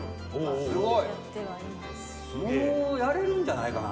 もうやれるんじゃないかな。